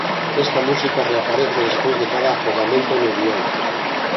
Esta música reaparece despois de cada afogamento no guión.